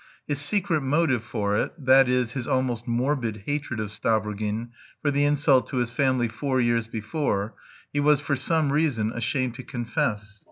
His secret motive for it, that is, his almost morbid hatred of Stavrogin for the insult to his family four years before, he was for some reason ashamed to confess.